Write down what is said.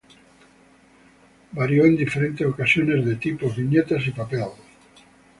Varió en diferentes ocasiones de tipos, viñetas y papel.